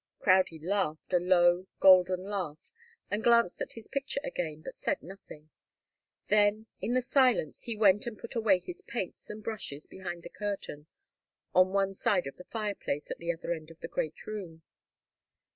Crowdie laughed, a low, golden laugh, and glanced at his picture again, but said nothing. Then, in the silence, he went and put away his paints and brushes behind the curtain on one side of the fireplace at the other end of the great room.